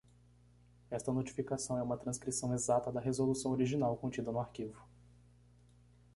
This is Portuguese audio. Esta notificação é uma transcrição exata da resolução original contida no arquivo.